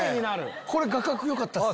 これ画角よかったっすね。